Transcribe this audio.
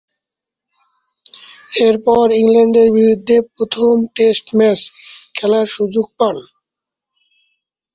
এরপর ইংল্যান্ডের বিরুদ্ধে প্রথম টেস্ট ম্যাচ খেলার সুযোগ পান।